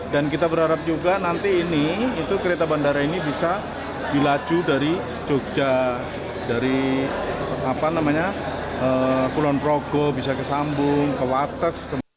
dan kita berharap juga nanti ini kereta bandara ini bisa dilaju dari jogja dari kulon progo bisa ke sambung ke watas